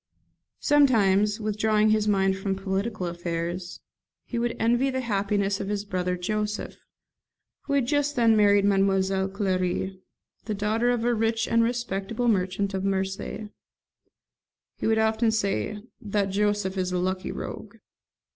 ] Sometimes, withdrawing his mind from political affairs, he would envy the happiness of his brother Joseph, who had just then married Mademoiselle Clary, the daughter of a rich and respectable merchant of Marseilles. He would often say, "That Joseph is a lucky rogue."